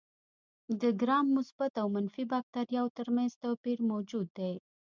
د ګرام مثبت او منفي باکتریاوو تر منځ توپیر موجود دی.